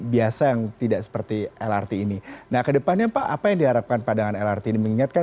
biasa yang tidak seperti lrt ini nah kedepannya pak apa yang diharapkan padangan lrt ini mengingatkan